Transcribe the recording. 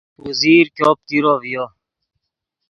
اوزیر ګوپ تیرو ڤیو